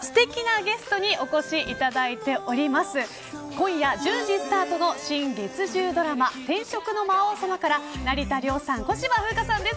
今夜１０時スタートの新月１０ドラマ転職の魔王様から成田凌さん、小芝風花さんです。